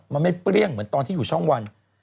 มันไม่เปรี้ยงเหมือนตอนที่อยู่ช่องวัน